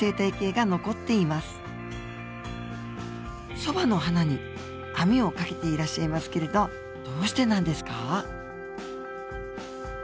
そばの花に網をかけていらっしゃいますけれどどうしてなんですか？